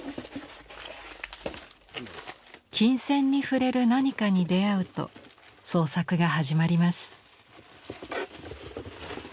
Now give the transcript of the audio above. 琴線に触れる何かに出会うと創作が始まります。